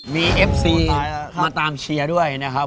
มีเอฟซีมาตามเชียร์ด้วยนะครับ